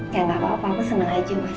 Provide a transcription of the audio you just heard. ya gapapa aku seneng aja mas